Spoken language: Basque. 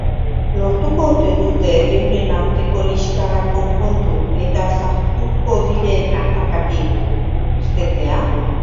Lortuko ote dute euren arteko liskarrak konpondu eta sartuko diren atakatik irtetea?